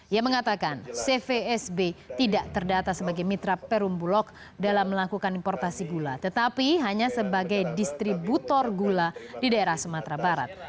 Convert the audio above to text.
ia mengatakan cvsb tidak terdata sebagai mitra perum bulog dalam melakukan importasi gula tetapi hanya sebagai distributor gula di daerah sumatera barat